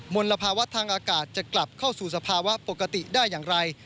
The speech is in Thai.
ลภาวะทางอากาศจะกลับเข้าสู่สภาวะปกติได้อย่างไร